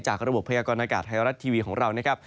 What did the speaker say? จากระบบพยากรณ์อากาศไทยรัตน์ทีวีของเรา